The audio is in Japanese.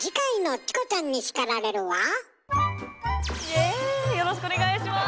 ウェよろしくお願いします。